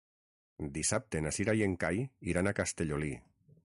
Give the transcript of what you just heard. Dissabte na Cira i en Cai iran a Castellolí.